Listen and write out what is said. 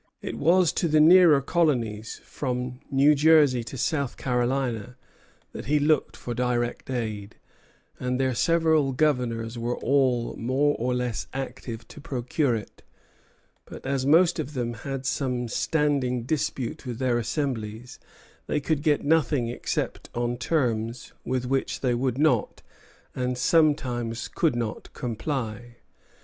It was to the nearer colonies, from New Jersey to South Carolina, that he looked for direct aid; and their several governors were all more or less active to procure it; but as most of them had some standing dispute with their assemblies, they could get nothing except on terms with which they would not, and sometimes could not, comply.